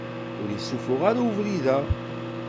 Ur issufuɣ ara ubrid-a.